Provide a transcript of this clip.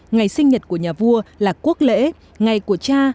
ngày sinh nhật của nhà vua là quốc lễ ngày của cha